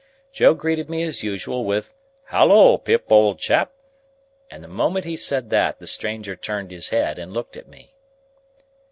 Joe greeted me as usual with "Halloa, Pip, old chap!" and the moment he said that, the stranger turned his head and looked at me.